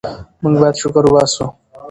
موږ باید شکر وباسو.